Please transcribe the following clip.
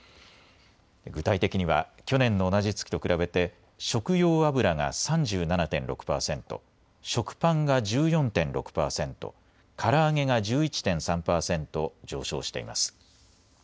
具体的には去年の同じ月と比べて食用油が３７．６％、食パンが１４．６％、から揚げが１１．３％上昇しています。